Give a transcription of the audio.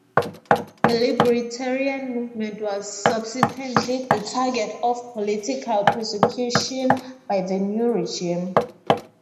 The libertarian movement was subsequently the target of political persecution by the new regime.